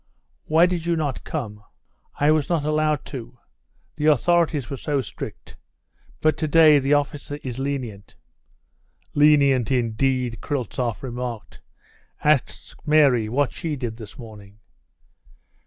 Why did you not come?" "I was not allowed to, the authorities were so strict, but to day the officer is lenient." "Lenient indeed!" Kryltzoff remarked. "Ask Mary what she did this morning."